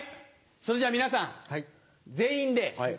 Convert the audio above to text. それじゃ皆さん全員で。